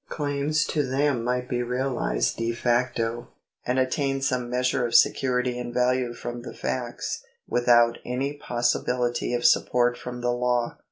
Claims to them might be realised de facto, and attain some measure of security and value from the facts, without any possibility of support from the law.